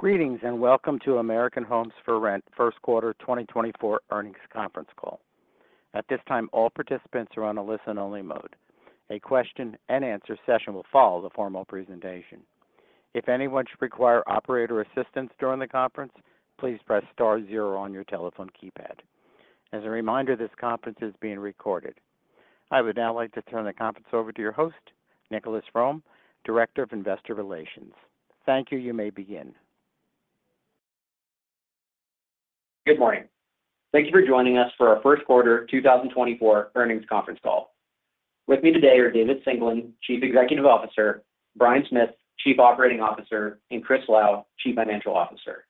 Greetings and welcome to American Homes 4 Rent First Quarter 2024 earnings conference call. At this time, all participants are on a listen-only mode. A question-and-answer session will follow the formal presentation. If anyone should require operator assistance during the conference, please press star zero on your telephone keypad. As a reminder, this conference is being recorded. I would now like to turn the conference over to your host, Nicholas Fromm, Director of Investor Relations. Thank you. You may begin. Good morning. Thank you for joining us for our First Quarter 2024 earnings conference call. With me today are David Singelyn, Chief Executive Officer; Bryan Smith, Chief Operating Officer; and Chris Lau, Chief Financial Officer.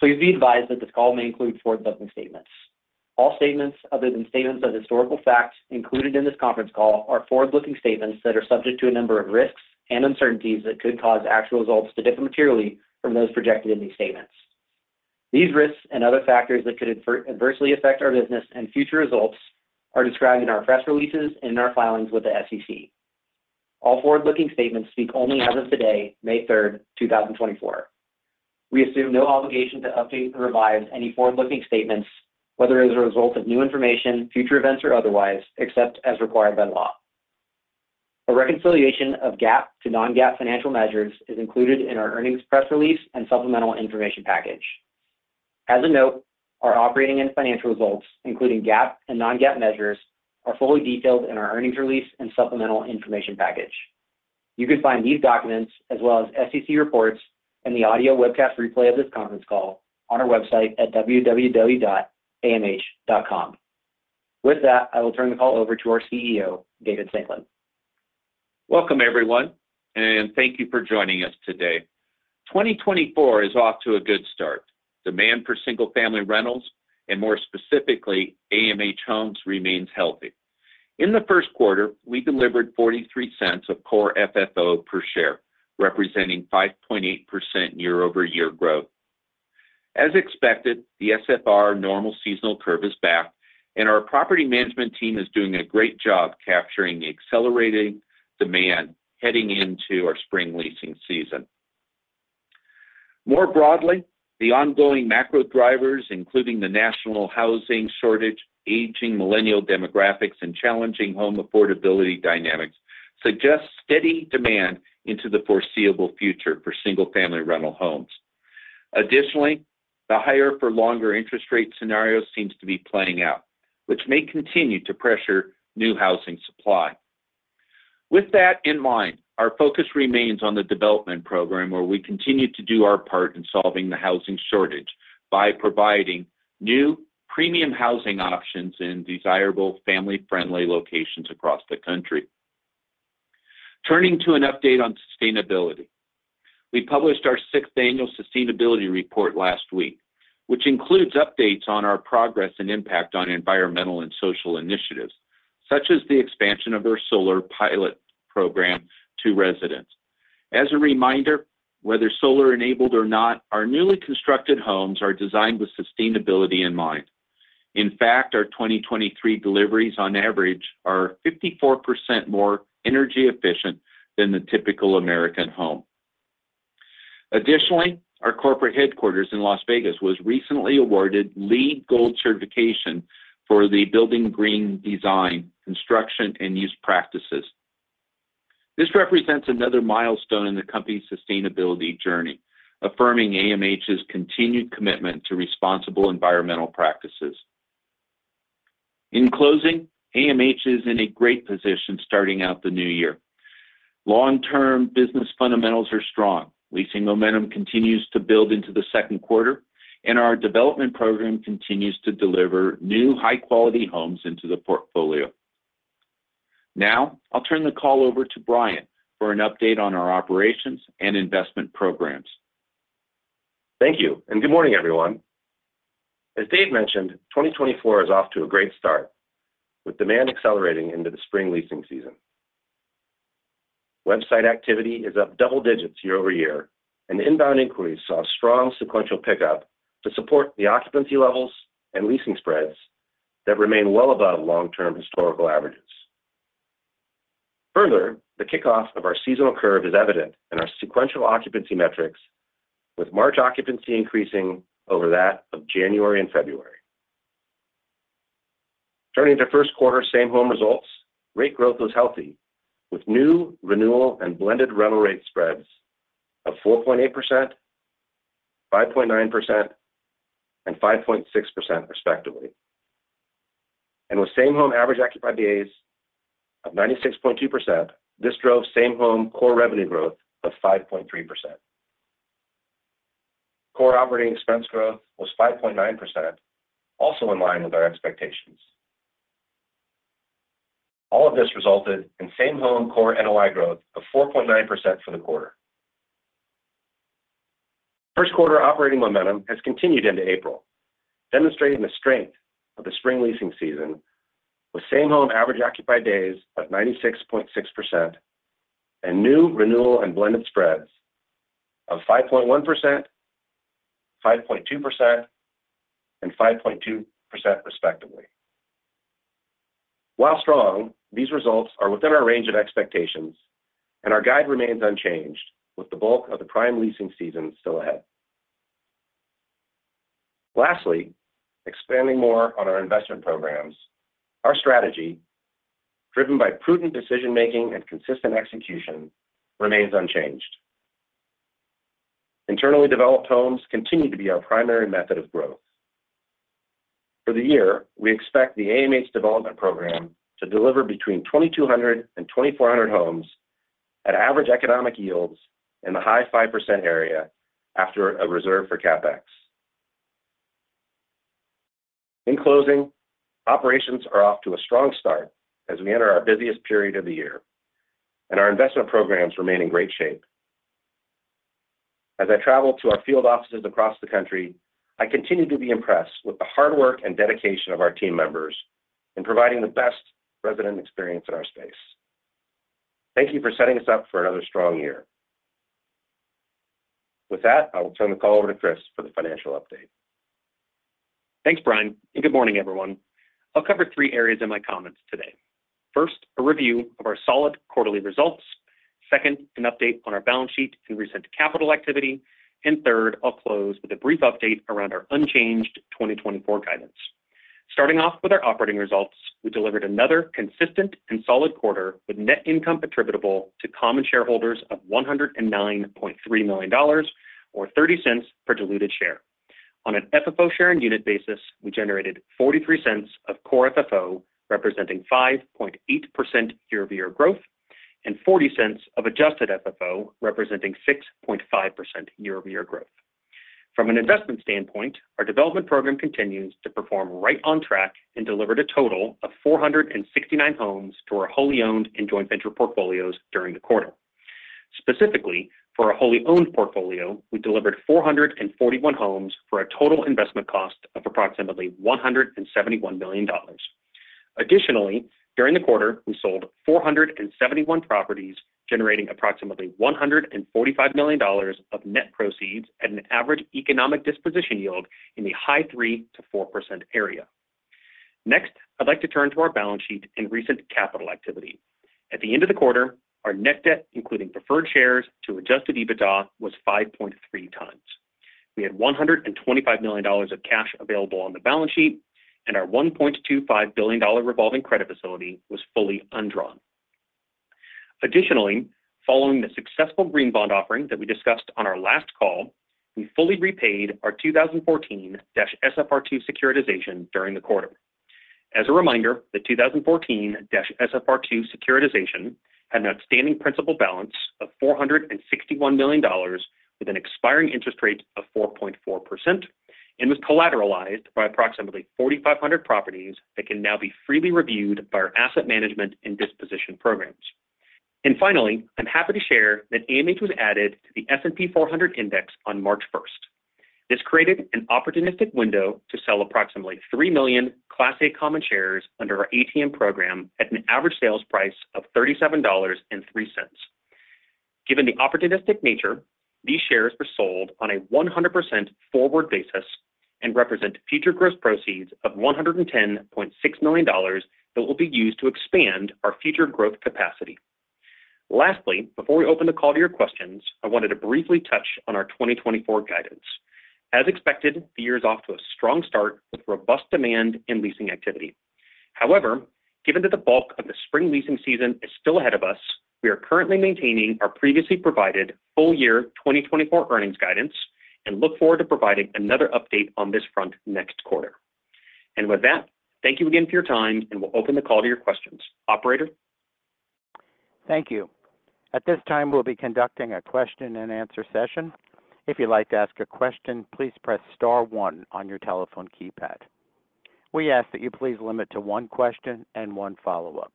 Please be advised that this call may include forward-looking statements. All statements other than statements of historical fact included in this conference call are forward-looking statements that are subject to a number of risks and uncertainties that could cause actual results to differ materially from those projected in these statements. These risks and other factors that could adversely affect our business and future results are described in our press releases and in our filings with the SEC. All forward-looking statements speak only as of today, May 3rd, 2024. We assume no obligation to update or revise any forward-looking statements, whether as a result of new information, future events, or otherwise, except as required by law. A reconciliation of GAAP to non-GAAP financial measures is included in our earnings press release and supplemental information package. As a note, our operating and financial results, including GAAP and non-GAAP measures, are fully detailed in our earnings release and supplemental information package. You can find these documents as well as SEC reports and the audio webcast replay of this conference call on our website at www.amh.com. With that, I will turn the call over to our CEO, David Singelyn. Welcome, everyone, and thank you for joining us today. 2024 is off to a good start. Demand for single-family rentals, and more specifically, AMH Homes, remains healthy. In the first quarter, we delivered $0.43 of core FFO per share, representing 5.8% year-over-year growth. As expected, the SFR normal seasonal curve is back, and our property management team is doing a great job capturing the accelerating demand heading into our spring leasing season. More broadly, the ongoing macro drivers, including the national housing shortage, aging millennial demographics, and challenging home affordability dynamics, suggest steady demand into the foreseeable future for single-family rental homes. Additionally, the higher-for-longer interest rate scenario seems to be playing out, which may continue to pressure new housing supply. With that in mind, our focus remains on the development program, where we continue to do our part in solving the housing shortage by providing new premium housing options in desirable family-friendly locations across the country. Turning to an update on sustainability. We published our sixth annual sustainability report last week, which includes updates on our progress and impact on environmental and social initiatives, such as the expansion of our solar pilot program to residents. As a reminder, whether solar-enabled or not, our newly constructed homes are designed with sustainability in mind. In fact, our 2023 deliveries, on average, are 54% more energy efficient than the typical American home. Additionally, our corporate headquarters in Las Vegas was recently awarded LEED Gold certification for the Building Green Design Construction and Use Practices. This represents another milestone in the company's sustainability journey, affirming AMH's continued commitment to responsible environmental practices. In closing, AMH is in a great position starting out the new year. Long-term business fundamentals are strong. Leasing momentum continues to build into the second quarter, and our development program continues to deliver new high-quality homes into the portfolio. Now, I'll turn the call over to Bryan for an update on our operations and investment programs. Thank you, and good morning, everyone. As Dave mentioned, 2024 is off to a great start with demand accelerating into the spring leasing season. Website activity is up double digits year over year, and inbound inquiries saw a strong sequential pickup to support the occupancy levels and leasing spreads that remain well above long-term historical averages. Further, the kickoff of our seasonal curve is evident in our sequential occupancy metrics, with March occupancy increasing over that of January and February. Turning to first quarter same-home results, rate growth was healthy, with new renewal and blended rental rate spreads of 4.8%, 5.9%, and 5.6%, respectively. With same-home average occupied Days of 96.2%, this drove same-home core revenue growth of 5.3%. Core operating expense growth was 5.9%, also in line with our expectations. All of this resulted in same-home core NOI growth of 4.9% for the quarter. First quarter operating momentum has continued into April, demonstrating the strength of the spring leasing season, with same-home average occupied BAs of 96.6% and new renewal and blended spreads of 5.1%, 5.2%, and 5.2%, respectively. While strong, these results are within our range of expectations, and our guide remains unchanged, with the bulk of the prime leasing season still ahead. Lastly, expanding more on our investment programs, our strategy, driven by prudent decision-making and consistent execution, remains unchanged. Internally developed homes continue to be our primary method of growth. For the year, we expect the AMH Development Program to deliver between 2,200 and 2,400 homes at average economic yields in the high 5% area after a reserve for CapEx. In closing, operations are off to a strong start as we enter our busiest period of the year, and our investment programs remain in great shape. As I travel to our field offices across the country, I continue to be impressed with the hard work and dedication of our team members in providing the best resident experience in our space. Thank you for setting us up for another strong year. With that, I will turn the call over to Chris for the financial update. Thanks, Bryan, and good morning, everyone. I'll cover three areas in my comments today. First, a review of our solid quarterly results. Second, an update on our balance sheet and recent capital activity. And third, I'll close with a brief update around our unchanged 2024 guidance. Starting off with our operating results, we delivered another consistent and solid quarter with net income attributable to common shareholders of $109.3 million, or $0.30 per diluted share. On an FFO share-and-unit basis, we generated $0.43 of Core FFO, representing 5.8% year-over-year growth, and $0.40 of Adjusted FFO, representing 6.5% year-over-year growth. From an investment standpoint, our development program continues to perform right on track and delivered a total of 469 homes to our wholly owned and joint venture portfolios during the quarter. Specifically, for our wholly owned portfolio, we delivered 441 homes for a total investment cost of approximately $171 million. Additionally, during the quarter, we sold 471 properties, generating approximately $145 million of net proceeds at an average economic disposition yield in the high 3%-4% area. Next, I'd like to turn to our balance sheet and recent capital activity. At the end of the quarter, our net debt, including preferred shares to Adjusted EBITDA, was 5.3x. We had $125 million of cash available on the balance sheet, and our $1.25 billion revolving credit facility was fully undrawn. Additionally, following the successful green bond offering that we discussed on our last call, we fully repaid our 2014-SFR2 securitization during the quarter. As a reminder, the 2014-SFR2 securitization had an outstanding principal balance of $461 million with an expiring interest rate of 4.4% and was collateralized by approximately 4,500 properties that can now be freely reviewed by our asset management and disposition programs. And finally, I'm happy to share that AMH was added to the S&P 400 index on March 1st. This created an opportunistic window to sell approximately 3 million Class A common shares under our ATM program at an average sales price of $37.03. Given the opportunistic nature, these shares were sold on a 100% forward basis and represent future growth proceeds of $110.6 million that will be used to expand our future growth capacity. Lastly, before we open the call to your questions, I wanted to briefly touch on our 2024 guidance. As expected, the year is off to a strong start with robust demand and leasing activity. However, given that the bulk of the spring leasing season is still ahead of us, we are currently maintaining our previously provided full-year 2024 earnings guidance and look forward to providing another update on this front next quarter. With that, thank you again for your time, and we'll open the call to your questions. Operator? Thank you. At this time, we'll be conducting a question-and-answer session. If you'd like to ask a question, please press star one on your telephone keypad. We ask that you please limit to one question and one follow-up.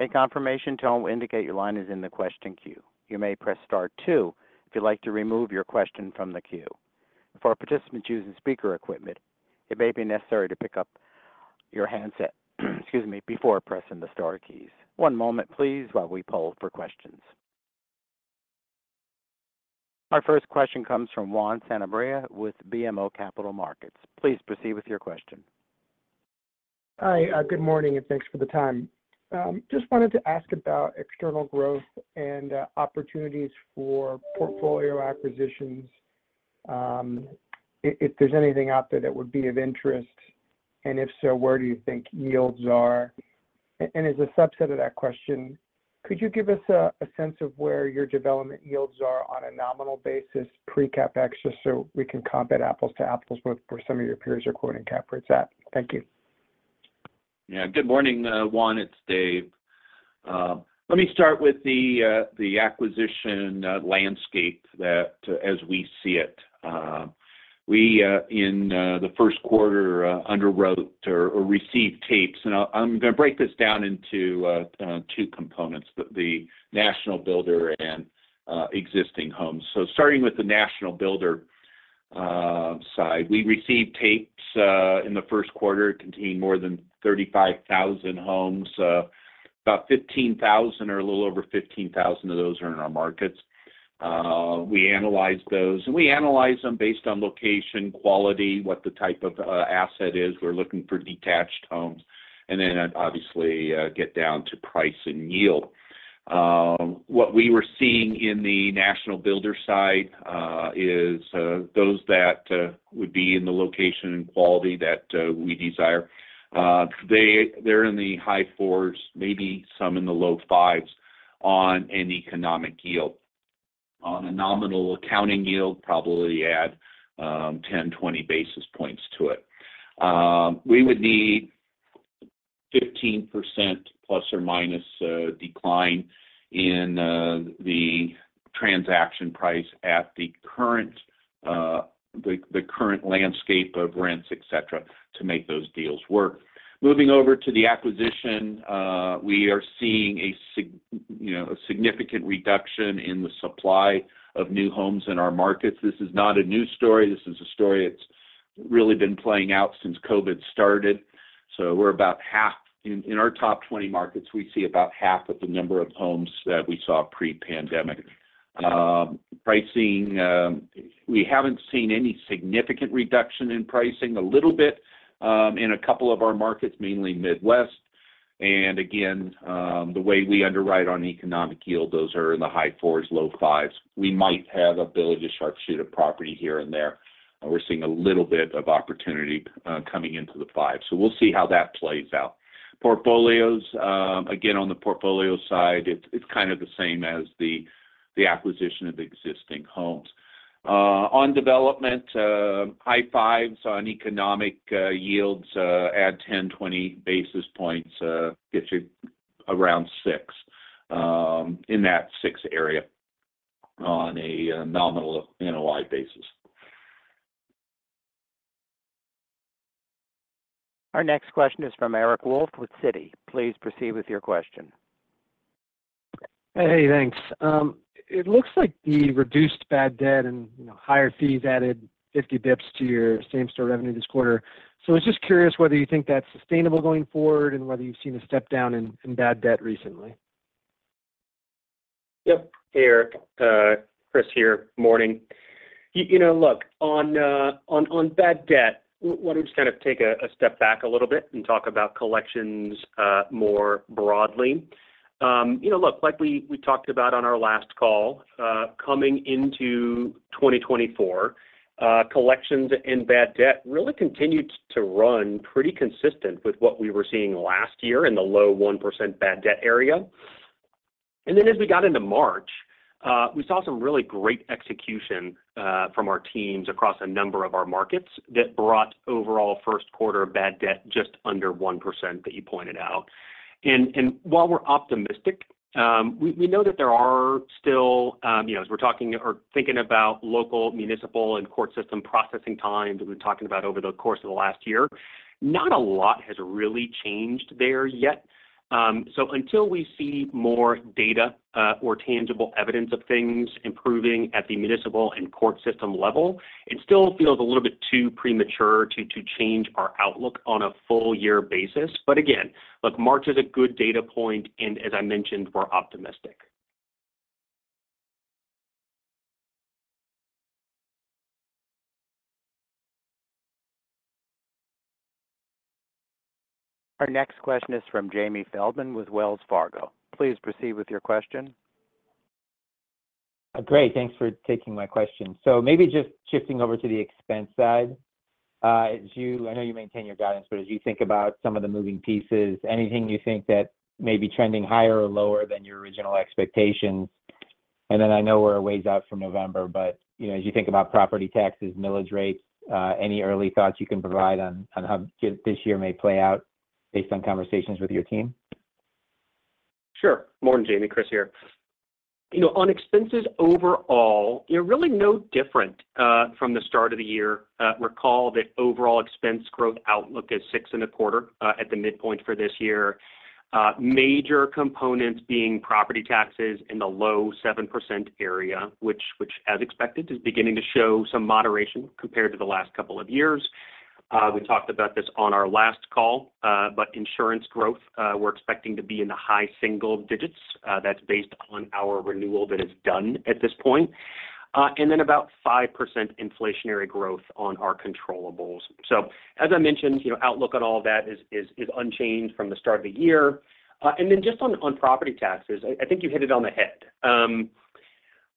A confirmation tone will indicate your line is in the question queue. You may press star two if you'd like to remove your question from the queue. For participants using speaker equipment, it may be necessary to pick up your handset, excuse me, before pressing the star keys. One moment, please, while we pull for questions. Our first question comes from Juan Sanabria with BMO Capital Markets. Please proceed with your question. Hi. Good morning, and thanks for the time. Just wanted to ask about external growth and opportunities for portfolio acquisitions, if there's anything out there that would be of interest, and if so, where do you think yields are. As a subset of that question, could you give us a sense of where your development yields are on a nominal basis pre-capex so we can comp it apples to apples where some of your peers are quoting cap rates at? Thank you. Yeah. Good morning, Juan. It's Dave. Let me start with the acquisition landscape as we see it. We, in the first quarter, underwrote or received tapes, and I'm going to break this down into two components: the national builder and existing homes. So starting with the national builder side, we received tapes in the first quarter containing more than 35,000 homes. About 15,000 or a little over 15,000 of those are in our markets. We analyzed those, and we analyze them based on location, quality, what the type of asset is. We're looking for detached homes, and then, obviously, get down to price and yield. What we were seeing in the national builder side is those that would be in the location and quality that we desire. They're in the high 4s, maybe some in the low 5s on an economic yield. On a nominal accounting yield, probably add 10, 20 basis points to it. We would need 15% ± decline in the transaction price at the current landscape of rents, etc., to make those deals work. Moving over to the acquisition, we are seeing a significant reduction in the supply of new homes in our markets. This is not a new story. This is a story that's really been playing out since COVID started. So we're about half in our top 20 markets. We see about half of the number of homes that we saw pre-pandemic. We haven't seen any significant reduction in pricing, a little bit in a couple of our markets, mainly Midwest. And again, the way we underwrite on economic yield, those are in the high 4s, low 5s. We might have a village of sharpshooter property here and there, but we're seeing a little bit of opportunity coming into the 5s. So we'll see how that plays out. Again, on the portfolio side, it's kind of the same as the acquisition of existing homes. On development, high 5s on economic yields add 10, 20 basis points, gets you around 6 in that 6 area on a nominal NOI basis. Our next question is from Eric Wolfe with Citi. Please proceed with your question. Hey, thanks. It looks like the reduced bad debt and higher fees added 50 basis points to your same-store revenue this quarter. So I was just curious whether you think that's sustainable going forward and whether you've seen a step down in bad debt recently? Yep. Hey, Eric. Chris here. Morning. Look, on bad debt, why don't we just kind of take a step back a little bit and talk about collections more broadly? Look, like we talked about on our last call, coming into 2024, collections and bad debt really continued to run pretty consistent with what we were seeing last year in the low 1% bad debt area. And then as we got into March, we saw some really great execution from our teams across a number of our markets that brought overall first quarter bad debt just under 1% that you pointed out. And while we're optimistic, we know that there are still, as we're talking or thinking about local, municipal, and court system processing time that we've been talking about over the course of the last year, not a lot has really changed there yet. Until we see more data or tangible evidence of things improving at the municipal and court system level, it still feels a little bit too premature to change our outlook on a full-year basis. But again, look, March is a good data point, and as I mentioned, we're optimistic. Our next question is from Jamie Feldman with Wells Fargo. Please proceed with your question. Great. Thanks for taking my question. So maybe just shifting over to the expense side. I know you maintain your guidance, but as you think about some of the moving pieces, anything you think that may be trending higher or lower than your original expectations? And then I know we're a ways out from November, but as you think about property taxes, millage rates, any early thoughts you can provide on how this year may play out based on conversations with your team? Sure. Morning, Jamie. Chris here. On expenses overall, really no different from the start of the year. Recall that overall expense growth outlook is 6.25% at the midpoint for this year, major components being property taxes in the low 7% area, which, as expected, is beginning to show some moderation compared to the last couple of years. We talked about this on our last call, but insurance growth, we're expecting to be in the high single digits. That's based on our renewal that is done at this point. And then about 5% inflationary growth on our controllables. So as I mentioned, outlook on all of that is unchanged from the start of the year. And then just on property taxes, I think you hit it on the head.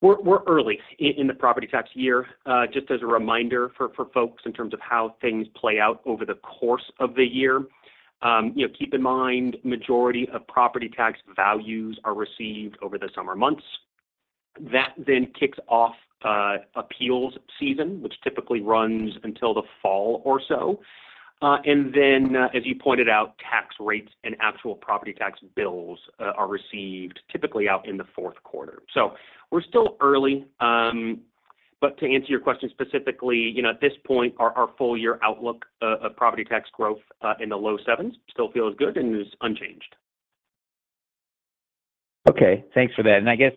We're early in the property tax year, just as a reminder for folks in terms of how things play out over the course of the year. Keep in mind, the majority of property tax values are received over the summer months. That then kicks off appeals season, which typically runs until the fall or so. And then, as you pointed out, tax rates and actual property tax bills are received typically out in the fourth quarter. So we're still early. But to answer your question specifically, at this point, our full-year outlook of property tax growth in the low 7s still feels good and is unchanged. Okay. Thanks for that. And I guess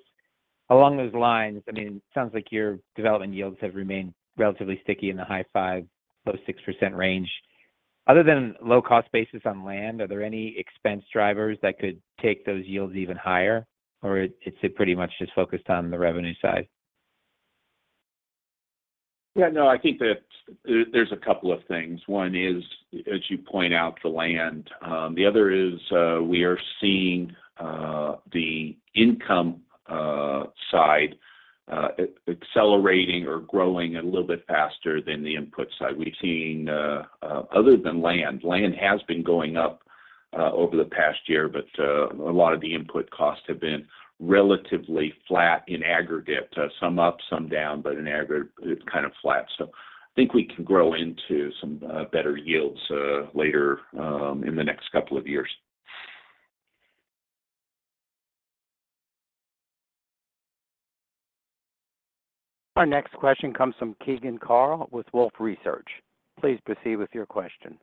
along those lines, I mean, it sounds like your development yields have remained relatively sticky in the high 5%-low 6% range. Other than low-cost basis on land, are there any expense drivers that could take those yields even higher, or it's pretty much just focused on the revenue side? Yeah. No, I think that there's a couple of things. One is, as you point out, the land. The other is we are seeing the income side accelerating or growing a little bit faster than the input side. Other than land, land has been going up over the past year, but a lot of the input costs have been relatively flat in aggregate, some up, some down, but it's kind of flat. So I think we can grow into some better yields later in the next couple of years. Our next question comes from Keegan Carl with Wolfe Research. Please proceed with your question.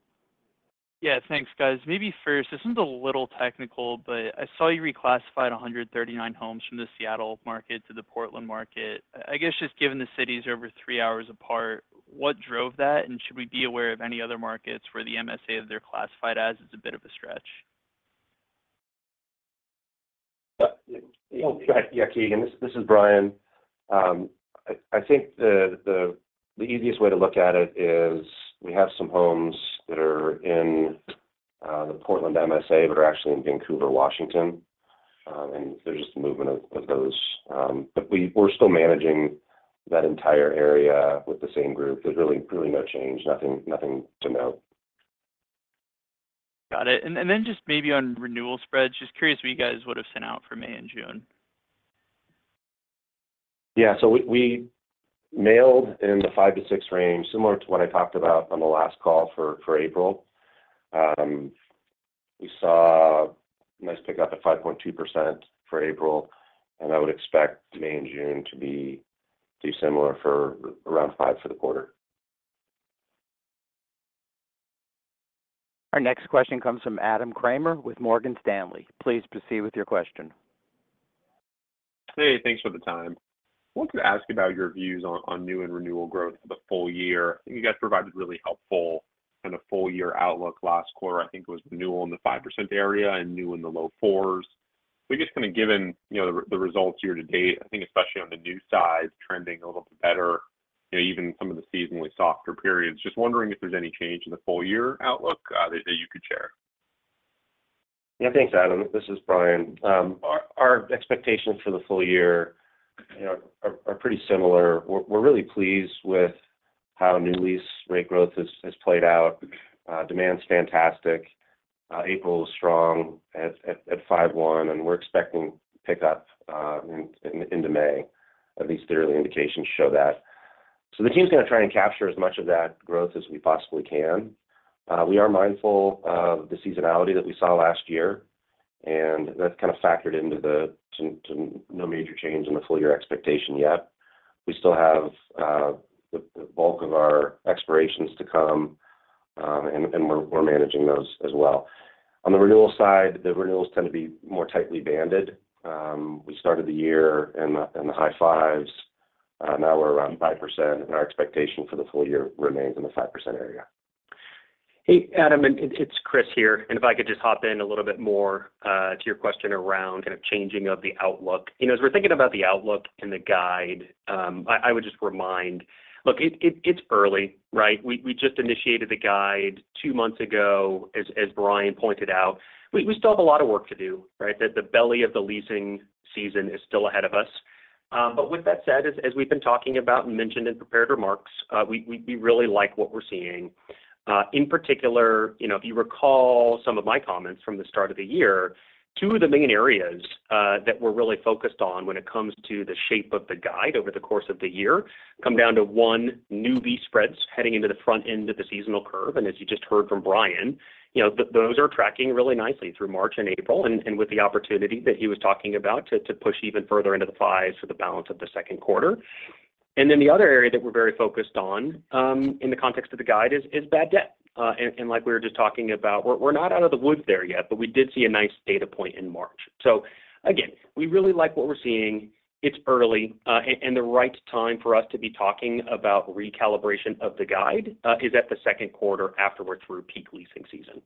Yeah. Thanks, guys. Maybe first, this one's a little technical, but I saw you reclassified 139 homes from the Seattle market to the Portland market. I guess just given the cities are over three hours apart, what drove that, and should we be aware of any other markets where the MSA that they're classified as is a bit of a stretch? Yeah. Yeah, Keegan. This is Bryan. I think the easiest way to look at it is we have some homes that are in the Portland MSA but are actually in Vancouver, Washington, and there's just a movement of those. But we're still managing that entire area with the same group. There's really no change, nothing to note. Got it. And then just maybe on renewal spreads, just curious what you guys would have sent out for May and June? Yeah. We mailed in the 5%-6% range, similar to what I talked about on the last call for April. We saw a nice pickup at 5.2% for April, and I would expect May and June to be similar for around 5% for the quarter. Our next question comes from Adam Kramer with Morgan Stanley. Please proceed with your question. Hey. Thanks for the time. I wanted to ask about your views on new and renewal growth for the full year. I think you guys provided really helpful kind of full-year outlook. Last quarter, I think it was renewal in the 5% area and new in the low 4s. But just kind of given the results year to date, I think especially on the new side, trending a little bit better, even some of the seasonally softer periods, just wondering if there's any change in the full-year outlook that you could share. Yeah. Thanks, Adam. This is Bryan. Our expectations for the full year are pretty similar. We're really pleased with how new lease rate growth has played out. Demand's fantastic. April was strong at 5.1%, and we're expecting pickup into May. At least the early indications show that. So the team's going to try and capture as much of that growth as we possibly can. We are mindful of the seasonality that we saw last year, and that's kind of factored into no major change in the full-year expectation yet. We still have the bulk of our expirations to come, and we're managing those as well. On the renewal side, the renewals tend to be more tightly banded. We started the year in the high 5s%. Now we're around 5%, and our expectation for the full year remains in the 5% area. Hey, Adam. It's Chris here. And if I could just hop in a little bit more to your question around kind of changing of the outlook. As we're thinking about the outlook and the guide, I would just remind look, it's early, right? We just initiated the guide two months ago, as Bryan pointed out. We still have a lot of work to do, right? The belly of the leasing season is still ahead of us. But with that said, as we've been talking about and mentioned in prepared remarks, we really like what we're seeing. In particular, if you recall some of my comments from the start of the year, two of the main areas that were really focused on when it comes to the shape of the guide over the course of the year come down to one: new lease spreads heading into the front end of the seasonal curve. And as you just heard from Bryan, those are tracking really nicely through March and April and with the opportunity that he was talking about to push even further into the 5s for the balance of the second quarter. And then the other area that we're very focused on in the context of the guide is bad debt. And like we were just talking about, we're not out of the woods there yet, but we did see a nice data point in March. So again, we really like what we're seeing. It's early, and the right time for us to be talking about recalibration of the guide is at the second quarter after we're through peak leasing season.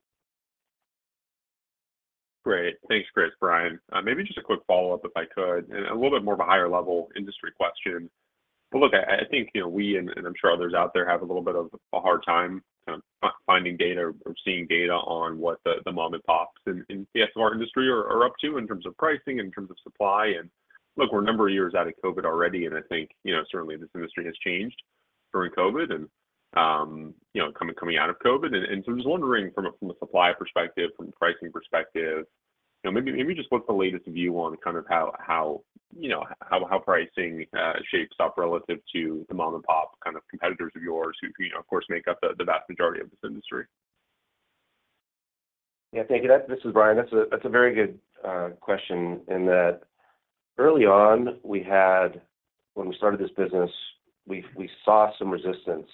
Great. Thanks, Chris. Bryan, maybe just a quick follow-up if I could and a little bit more of a higher-level industry question. But look, I think we and I'm sure others out there have a little bit of a hard time kind of finding data or seeing data on what the mom-and-pops, in the sense of our industry, are up to in terms of pricing and in terms of supply. And look, we're a number of years out of COVID already, and I think certainly this industry has changed during COVID and coming out of COVID. And so I'm just wondering from a supply perspective, from a pricing perspective, maybe just what's the latest view on kind of how pricing shapes up relative to the mom-and-pop kind of competitors of yours who, of course, make up the vast majority of this industry? Yeah. Thank you. This is Bryan. That's a very good question in that early on, when we started this business, we saw some resistance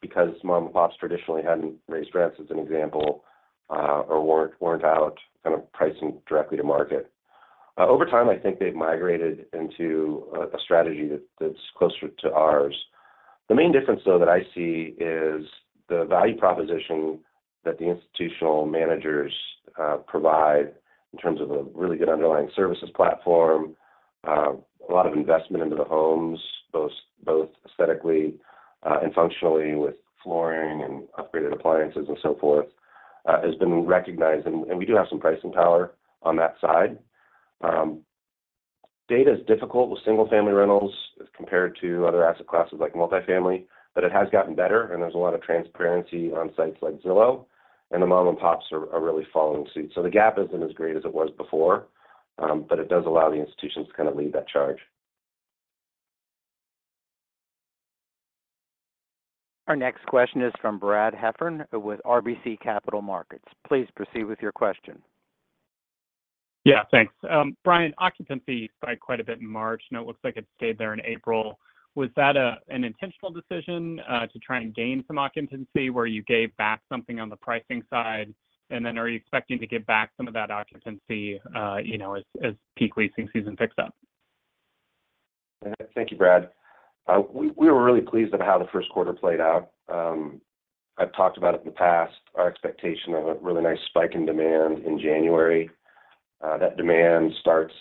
because mom-and-pops traditionally hadn't raised rents as an example or weren't out kind of pricing directly to market. Over time, I think they've migrated into a strategy that's closer to ours. The main difference, though, that I see is the value proposition that the institutional managers provide in terms of a really good underlying services platform, a lot of investment into the homes, both aesthetically and functionally with flooring and upgraded appliances and so forth, has been recognized. And we do have some pricing power on that side. Data is difficult with single-family rentals compared to other asset classes like multifamily, but it has gotten better, and there's a lot of transparency on sites like Zillow, and the mom-and-pops are really following suit. So the gap isn't as great as it was before, but it does allow the institutions to kind of lead that charge. Our next question is from Brad Heffern with RBC Capital Markets. Please proceed with your question. Yeah. Thanks. Bryan, occupancy spiked quite a bit in March, and it looks like it stayed there in April. Was that an intentional decision to try and gain some occupancy where you gave back something on the pricing side? And then are you expecting to give back some of that occupancy as peak leasing season picks up? Thank you, Brad. We were really pleased about how the first quarter played out. I've talked about it in the past, our expectation of a really nice spike in demand in January. That demand starts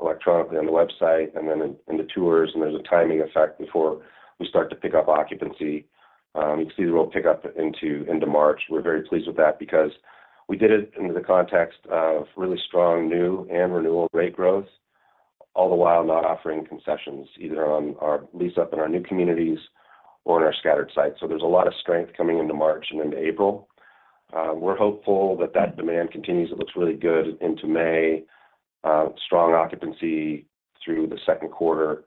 electronically on the website and then in the tours, and there's a timing effect before we start to pick up occupancy. You can see the real pickup into March. We're very pleased with that because we did it in the context of really strong new and renewal rate growth, all the while not offering concessions either on our lease-up in our new communities or in our scattered sites. So there's a lot of strength coming into March and into April. We're hopeful that that demand continues. It looks really good into May, strong occupancy through the second quarter.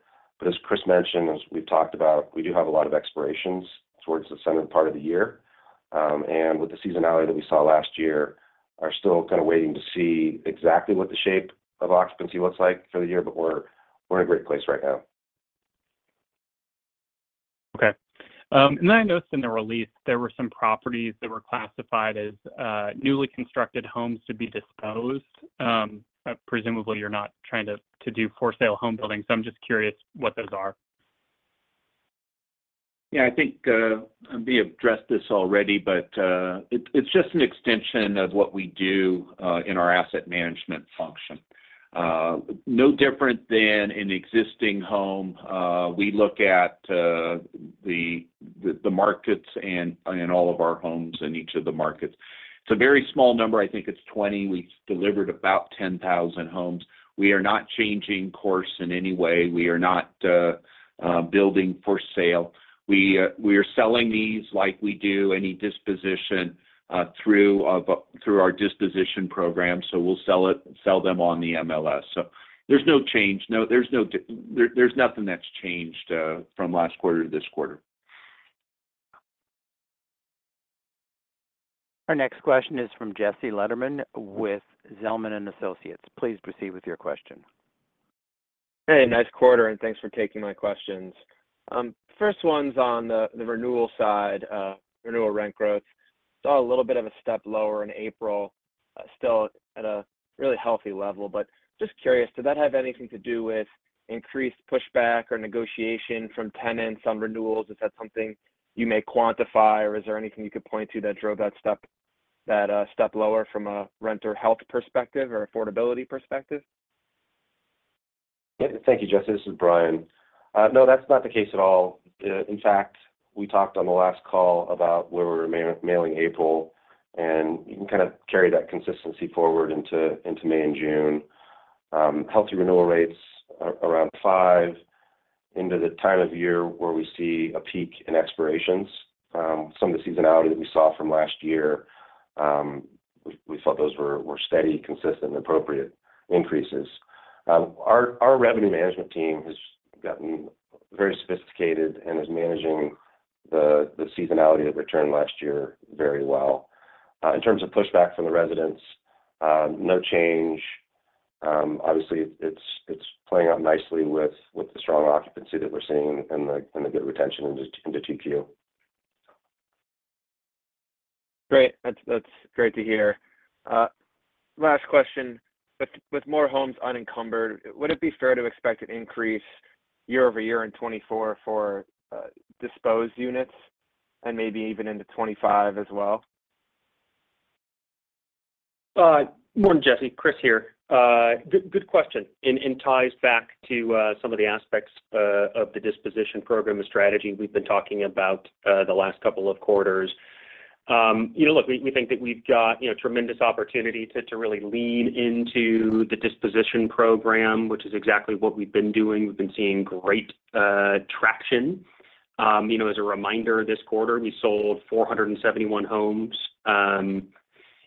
As Chris mentioned, as we've talked about, we do have a lot of expirations towards the center part of the year. With the seasonality that we saw last year, we're still kind of waiting to see exactly what the shape of occupancy looks like for the year, but we're in a great place right now. Okay. And then I noticed in the release, there were some properties that were classified as newly constructed homes to be disposed. Presumably, you're not trying to do for-sale home building, so I'm just curious what those are? Yeah. I think I may have addressed this already, but it's just an extension of what we do in our asset management function, no different than an existing home. We look at the markets in all of our homes and each of the markets. It's a very small number. I think it's 20. We've delivered about 10,000 homes. We are not changing course in any way. We are not building for sale. We are selling these like we do any disposition through our disposition program, so we'll sell them on the MLS. So there's no change. There's nothing that's changed from last quarter to this quarter. Our next question is from Jesse Lederman with Zelman & Associates. Please proceed with your question. Hey. Nice quarter, and thanks for taking my questions. First one's on the renewal side, renewal rent growth. Saw a little bit of a step lower in April, still at a really healthy level. But just curious, did that have anything to do with increased pushback or negotiation from tenants on renewals? Is that something you may quantify, or is there anything you could point to that drove that step lower from a renter health perspective or affordability perspective? Yeah. Thank you, Jesse. This is Bryan. No, that's not the case at all. In fact, we talked on the last call about where we were mailing April, and you can kind of carry that consistency forward into May and June. Healthy renewal rates around 5% into the time of year where we see a peak in expirations. Some of the seasonality that we saw from last year, we felt those were steady, consistent, and appropriate increases. Our revenue management team has gotten very sophisticated and is managing the seasonality that returned last year very well. In terms of pushback from the residents, no change. Obviously, it's playing out nicely with the strong occupancy that we're seeing and the good retention into 2Q. Great. That's great to hear. Last question. With more homes unencumbered, would it be fair to expect an increase year-over-year in 2024 for disposed units and maybe even into 2025 as well? Morning, Jesse. Chris here. Good question. It ties back to some of the aspects of the disposition program and strategy we've been talking about the last couple of quarters. Look, we think that we've got tremendous opportunity to really lean into the disposition program, which is exactly what we've been doing. We've been seeing great traction. As a reminder, this quarter, we sold 471 homes.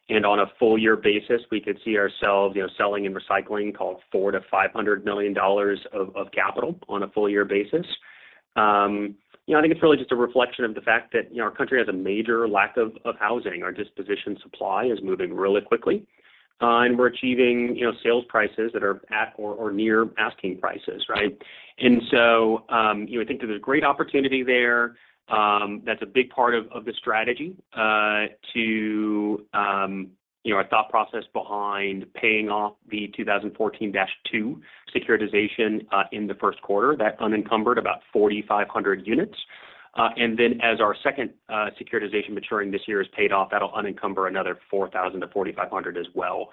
And on a full-year basis, we could see ourselves selling and recycling, call it, $400 million-$500 million of capital on a full-year basis. I think it's really just a reflection of the fact that our country has a major lack of housing. Our disposition supply is moving really quickly, and we're achieving sales prices that are at or near asking prices, right? And so I think that there's great opportunity there. That's a big part of the strategy to our thought process behind paying off the 2014-SFR2 securitization in the first quarter, that unencumbered about 4,500 units. And then as our second securitization maturing this year is paid off, that'll unencumber another 4,000-4,500 as well.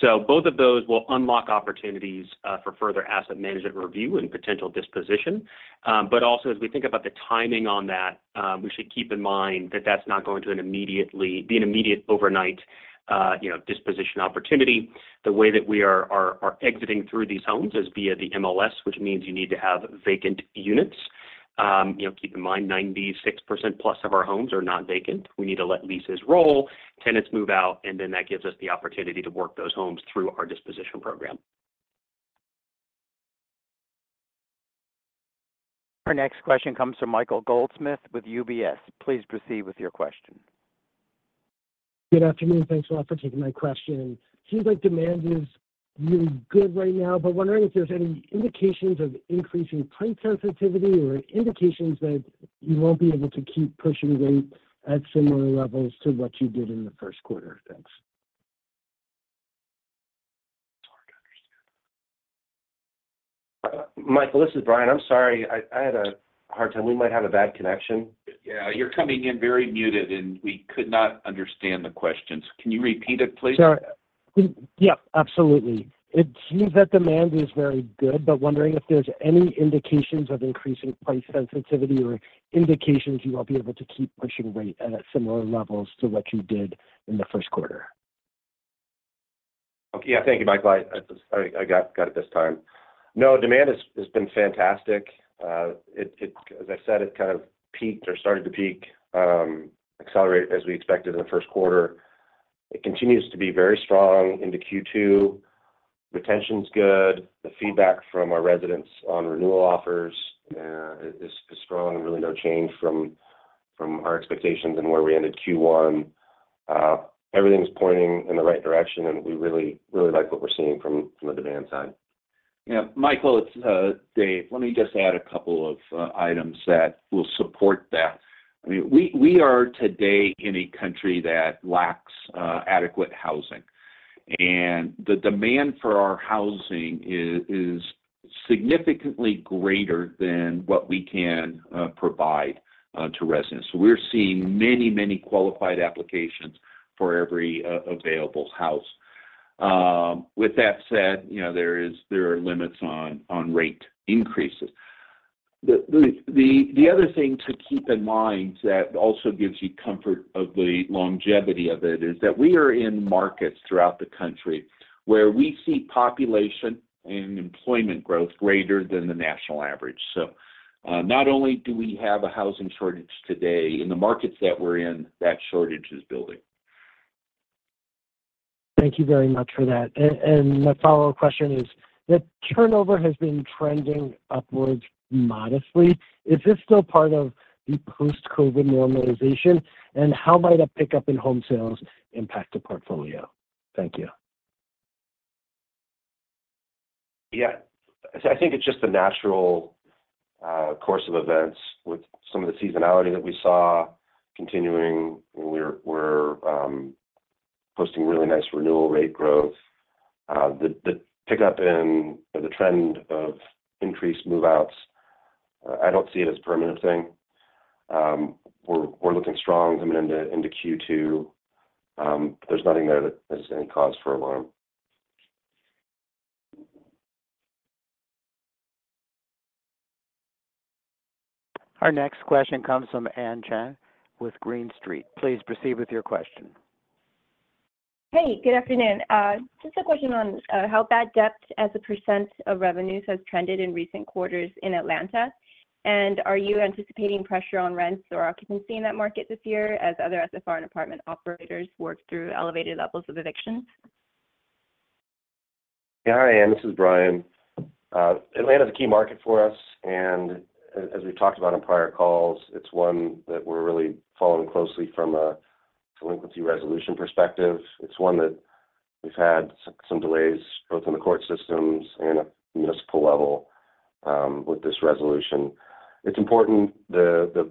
So both of those will unlock opportunities for further asset management review and potential disposition. But also, as we think about the timing on that, we should keep in mind that that's not going to be an immediate overnight disposition opportunity. The way that we are exiting through these homes is via the MLS, which means you need to have vacant units. Keep in mind, 96%+ of our homes are not vacant. We need to let leases roll, tenants move out, and then that gives us the opportunity to work those homes through our disposition program. Our next question comes from Michael Goldsmith with UBS. Please proceed with your question. Good afternoon. Thanks a lot for taking my question. It seems like demand is really good right now, but wondering if there's any indications of increasing price sensitivity or indications that you won't be able to keep pushing rate at similar levels to what you did in the first quarter. Thanks. Michael, this is Bryan. I'm sorry. I had a hard time. We might have a bad connection. Yeah. You're coming in very muted, and we could not understand the question. So can you repeat it, please? Yeah. Absolutely. It seems that demand is very good, but wondering if there's any indications of increasing price sensitivity or indications you won't be able to keep pushing rate at similar levels to what you did in the first quarter? Yeah. Thank you, Michael. I got it this time. No, demand has been fantastic. As I said, it kind of peaked or started to peak, accelerate as we expected in the first quarter. It continues to be very strong into Q2. Retention's good. The feedback from our residents on renewal offers is strong and really no change from our expectations and where we ended Q1. Everything's pointing in the right direction, and we really, really like what we're seeing from the demand side. Yeah. Michael, it's Dave. Let me just add a couple of items that will support that. I mean, we are today in a country that lacks adequate housing, and the demand for our housing is significantly greater than what we can provide to residents. So we're seeing many, many qualified applications for every available house. With that said, there are limits on rate increases. The other thing to keep in mind that also gives you comfort of the longevity of it is that we are in markets throughout the country where we see population and employment growth greater than the national average. So not only do we have a housing shortage today, in the markets that we're in, that shortage is building. Thank you very much for that. My follow-up question is, the turnover has been trending upwards modestly. Is this still part of the post-COVID normalization, and how might a pickup in home sales impact the portfolio? Thank you. Yeah. I think it's just the natural course of events with some of the seasonality that we saw continuing. We're posting really nice renewal rate growth. The pickup in or the trend of increased move-outs, I don't see it as a permanent thing. We're looking strong coming into Q2. There's nothing there that is any cause for alarm. Our next question comes from Ann Chen with Green Street. Please proceed with your question. Hey. Good afternoon. Just a question on how bad debt as a % of revenues has trended in recent quarters in Atlanta. Are you anticipating pressure on rents or occupancy in that market this year as other SFR and apartment operators work through elevated levels of evictions? Yeah. Hi, Anne. This is Bryan. Atlanta is a key market for us, and as we've talked about in prior calls, it's one that we're really following closely from a delinquency resolution perspective. It's one that we've had some delays both in the court systems and at the municipal level with this resolution. It's important because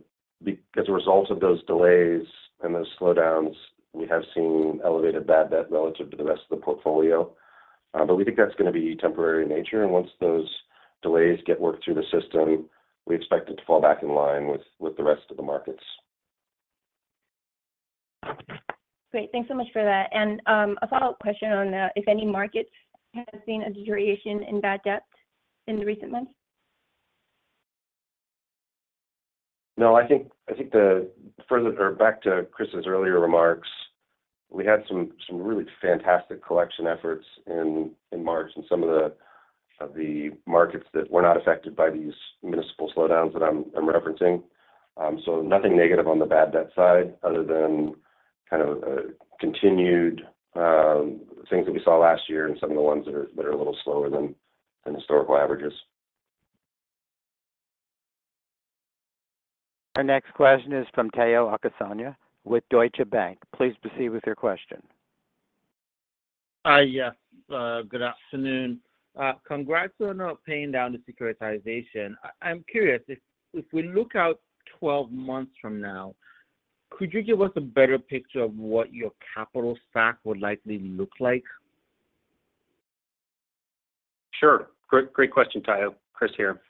as a result of those delays and those slowdowns, we have seen elevated bad debt relative to the rest of the portfolio. But we think that's going to be temporary in nature, and once those delays get worked through the system, we expect it to fall back in line with the rest of the markets. Great. Thanks so much for that. A follow-up question on if any markets have seen a deterioration in bad debt in the recent months? No. I think back to Chris's earlier remarks, we had some really fantastic collection efforts in March in some of the markets that were not affected by these municipal slowdowns that I'm referencing. Nothing negative on the bad debt side other than kind of continued things that we saw last year and some of the ones that are a little slower than historical averages. Our next question is from Omotayo Okusanya with Deutsche Bank. Please proceed with your question. Hi. Yes. Good afternoon. Congrats on paying down the securitization. I'm curious, if we look out 12 months from now, could you give us a better picture of what your capital stack would likely look like? Sure. Great question, Teo. Chris here.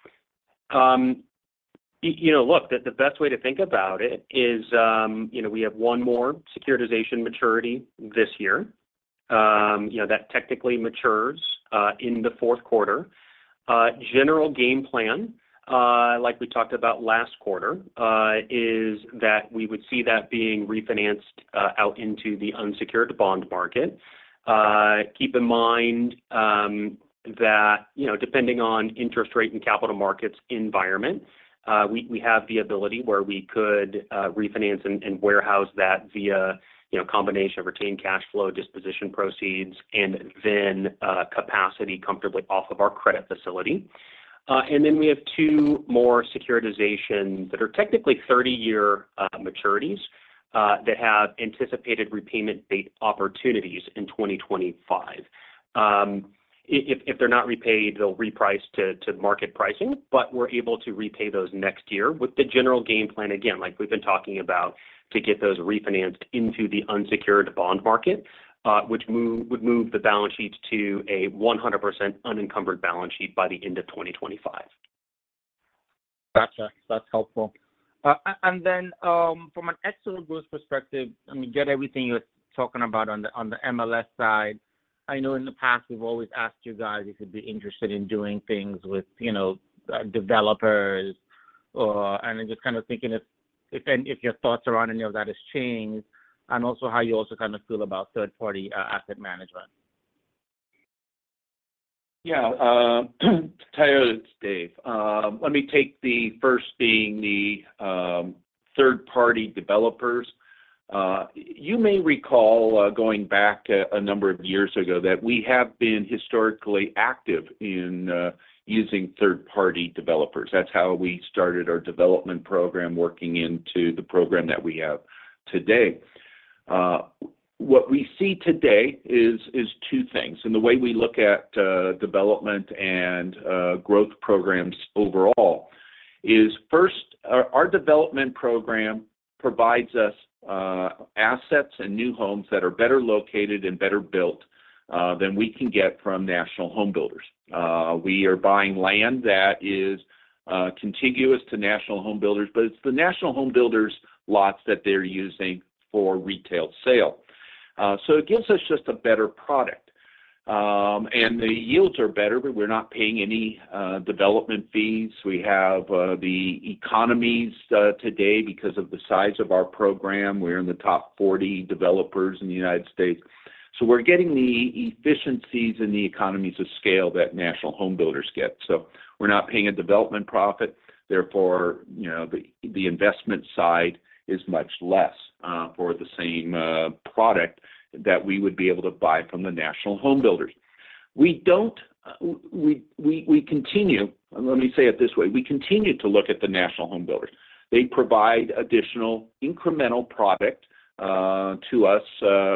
Look, the best way to think about it is we have one more securitization maturity this year. That technically matures in the fourth quarter. General game plan, like we talked about last quarter, is that we would see that being refinanced out into the unsecured bond market. Keep in mind that depending on interest rate and capital markets environment, we have the ability where we could refinance and warehouse that via a combination of retained cash flow, disposition proceeds, and then capacity comfortably off of our credit facility. And then we have two more securitizations that are technically 30-year maturities that have anticipated repayment date opportunities in 2025. If they're not repaid, they'll reprice to market pricing, but we're able to repay those next year with the general game plan, again, like we've been talking about, to get those refinanced into the unsecured bond market, which would move the balance sheet to a 100% unencumbered balance sheet by the end of 2025. Gotcha. That's helpful. And then from an external growth perspective, I mean, get everything you're talking about on the MLS side. I know in the past, we've always asked you guys if you'd be interested in doing things with developers and just kind of thinking if your thoughts around any of that have changed and also how you also kind of feel about third-party asset management. Yeah. Teo, it's Dave. Let me take the first being the third-party developers. You may recall going back a number of years ago that we have been historically active in using third-party developers. That's how we started our development program working into the program that we have today. What we see today is two things. The way we look at development and growth programs overall is, first, our development program provides us assets and new homes that are better located and better built than we can get from national home builders. We are buying land that is contiguous to national home builders, but it's the national home builders' lots that they're using for retail sale. So it gives us just a better product. The yields are better, but we're not paying any development fees. We have the economies today because of the size of our program. We're in the top 40 developers in the United States. So we're getting the efficiencies and the economies of scale that national home builders get. So we're not paying a development profit. Therefore, the investment side is much less for the same product that we would be able to buy from the national home builders. We continue - let me say it this way - we continue to look at the national home builders. They provide additional incremental product to us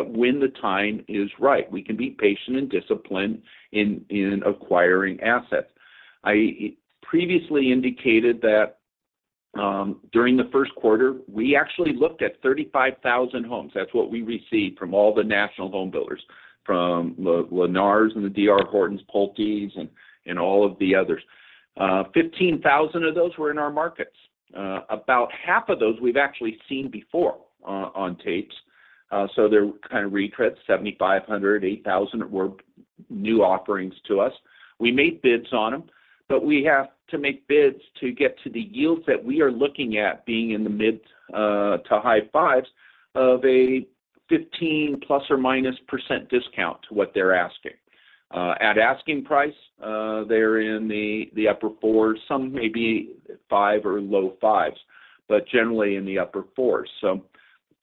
when the time is right. We can be patient and disciplined in acquiring assets. I previously indicated that during the first quarter, we actually looked at 35,000 homes. That's what we received from all the national home builders, from the Lennars and the D.R. Hortons, PulteGroups, and all of the others. 15,000 of those were in our markets. About half of those, we've actually seen before on tapes. So they're kind of retreads. 7,500, 8,000 were new offerings to us. We made bids on them, but we have to make bids to get to the yields that we are looking at being in the mid to high fives of a 15±% discount to what they're asking. At asking price, they're in the upper fours, some maybe five or low fives, but generally in the upper fours. So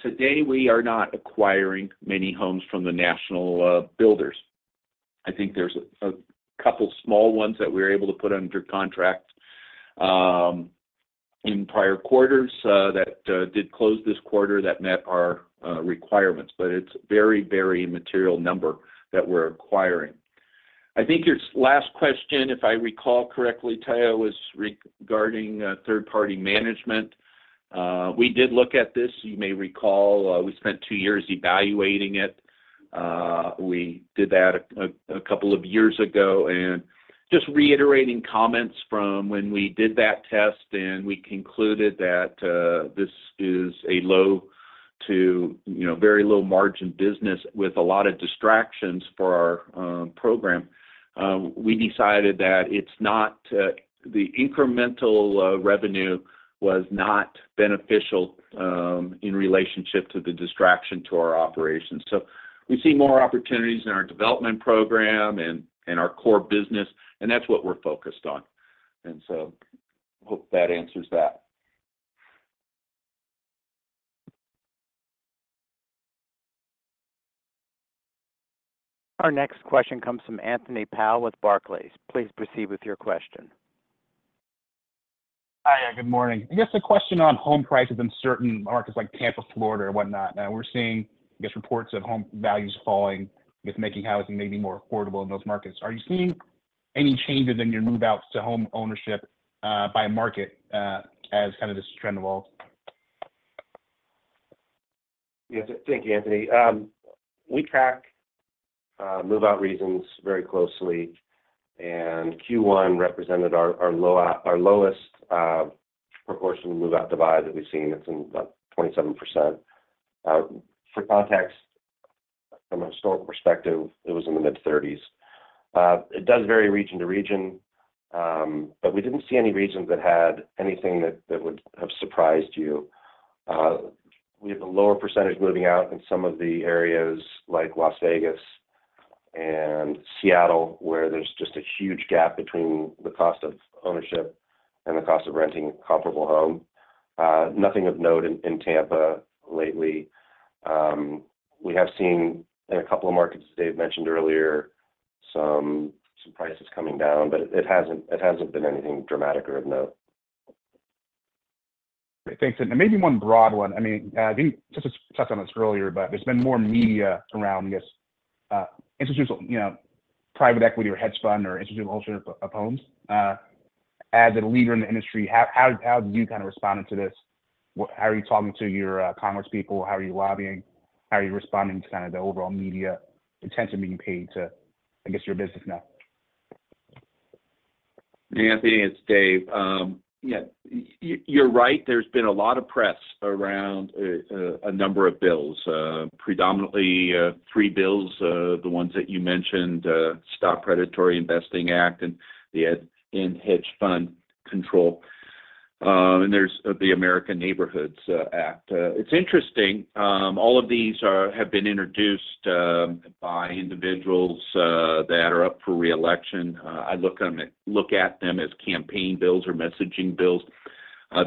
today, we are not acquiring many homes from the national builders. I think there's a couple of small ones that we were able to put under contract in prior quarters that did close this quarter that met our requirements, but it's a very, very material number that we're acquiring. I think your last question, if I recall correctly, Omotayo, was regarding third-party management. We did look at this. You may recall we spent two years evaluating it. We did that a couple of years ago. And just reiterating comments from when we did that test and we concluded that this is a very low-margin business with a lot of distractions for our program, we decided that the incremental revenue was not beneficial in relationship to the distraction to our operations. So we see more opportunities in our development program and our core business, and that's what we're focused on. And so hope that answers that. Our next question comes from Anthony Powell with Barclays. Please proceed with your question. Hi. Good morning. I guess a question on home prices in certain markets like Tampa, Florida, or whatnot. We're seeing, I guess, reports of home values falling, I guess, making housing maybe more affordable in those markets. Are you seeing any changes in your move-outs to home ownership by market as kind of this trend evolves? Yes. Thank you, Anthony. We track move-out reasons very closely, and Q1 represented our lowest proportional move-out divide that we've seen. It's about 27%. For context, from a historical perspective, it was in the mid-30s. It does vary region to region, but we didn't see any reasons that had anything that would have surprised you. We have a lower percentage moving out in some of the areas like Las Vegas and Seattle where there's just a huge gap between the cost of ownership and the cost of renting a comparable home. Nothing of note in Tampa lately. We have seen in a couple of markets that Dave mentioned earlier some prices coming down, but it hasn't been anything dramatic or of note. Great. Thanks, Anne. And maybe one broad one. I mean, I think just as we touched on this earlier, but there's been more media around, I guess, institutional private equity or hedge fund or institutional ownership of homes. As a leader in the industry, how do you kind of respond to this? How are you talking to your congresspeople? How are you lobbying? How are you responding to kind of the overall media attention being paid to, I guess, your business now? Yeah. I think it's Dave. Yeah. You're right. There's been a lot of press around a number of bills, predominantly 3 bills, the ones that you mentioned, Stop Predatory Investing Act and the End Hedge Fund Control of American Homes Act, and there's the American Neighborhoods Act. It's interesting. All of these have been introduced by individuals that are up for reelection. I look at them as campaign bills or messaging bills.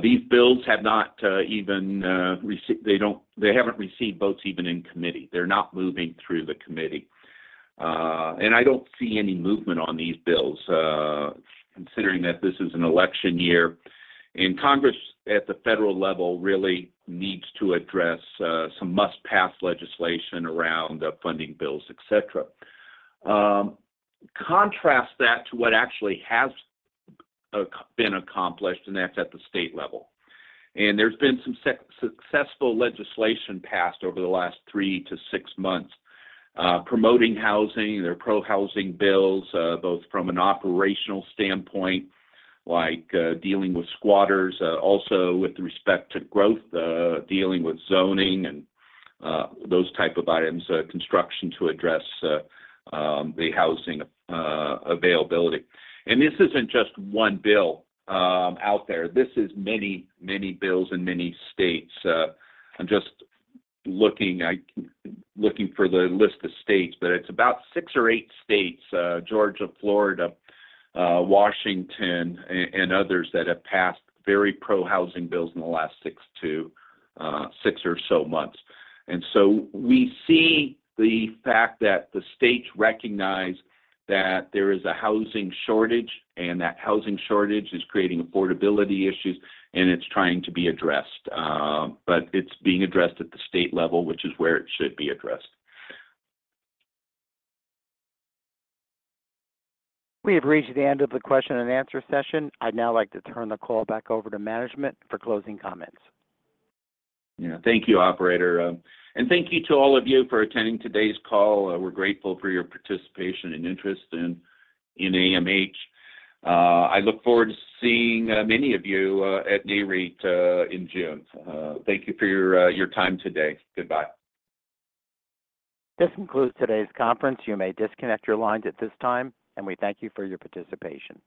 These bills have not even they haven't received votes even in committee. They're not moving through the committee. I don't see any movement on these bills considering that this is an election year. Congress at the federal level really needs to address some must-pass legislation around funding bills, etc. Contrast that to what actually has been accomplished, and that's at the state level. There's been some successful legislation passed over the last 3-6 months promoting housing. There are pro-housing bills both from an operational standpoint like dealing with squatters, also with respect to growth, dealing with zoning, and those types of items, construction to address the housing availability. This isn't just one bill out there. This is many, many bills in many states. I'm just looking for the list of states, but it's about six or eight states, Georgia, Florida, Washington, and others that have passed very pro-housing bills in the last six or so months. So we see the fact that the states recognize that there is a housing shortage and that housing shortage is creating affordability issues, and it's trying to be addressed. But it's being addressed at the state level, which is where it should be addressed. We have reached the end of the question-and-answer session. I'd now like to turn the call back over to management for closing comments. Yeah. Thank you, operator. And thank you to all of you for attending today's call. We're grateful for your participation and interest in AMH. I look forward to seeing many of you at NAREIT in June. Thank you for your time today. Goodbye. This concludes today's conference. You may disconnect your lines at this time, and we thank you for your participation.